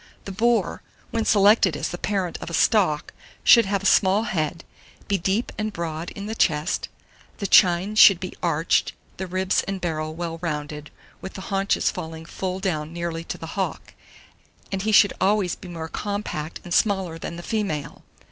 The boar, when selected as the parent of a stock, should have a small head, be deep and broad in the chest; the chine should be arched, the ribs and barrel well rounded, with the haunches falling full down nearly to the hock; and he should always be more compact and smaller than the female.